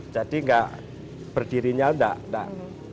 jadi berdirinya enggak